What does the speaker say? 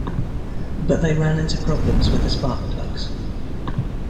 But they ran into problems with the spark plugs.